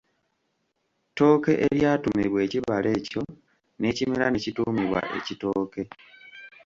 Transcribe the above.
Ttooke eryatuumibwa ekibala ekyo n’ekimera ne kituumibwa ekitooke.